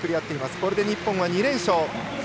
これで日本は２連勝。